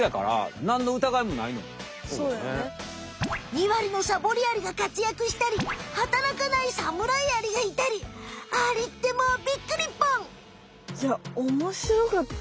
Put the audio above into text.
２割のサボりアリがかつやくしたり働かないサムライアリがいたりアリってもうびっくりポン！おもしろかった！